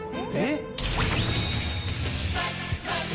えっ？